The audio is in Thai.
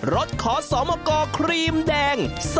๒รถขอสอบโมกรครีมแดง